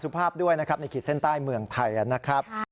ภาพด้วยนะครับในขีดเส้นใต้เมืองไทยนะครับ